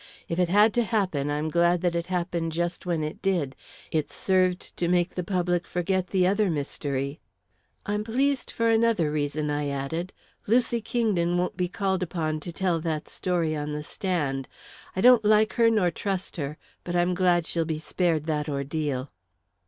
If it had to happen, I'm glad that it happened just when it did it's served to make the public forget the other mystery. I'm pleased for another reason," I added. "Lucy Kingdon won't be called upon to tell that story on the stand. I don't like her nor trust her, but I'm glad she'll be spared that ordeal."